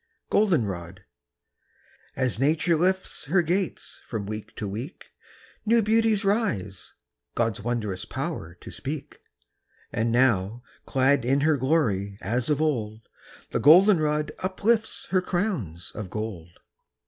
GOLDENROD. As nature lifts her gates from week to week, New beauties rise God's wondrous power to speak; And now, clad in her glory as of old, The Goldenrod uplifts her crowns of gold.